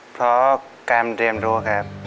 เพราะการเตรียมโทรครับ